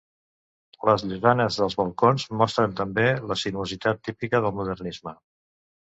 Les llosanes dels balcons mostren també la sinuositat típica del modernisme.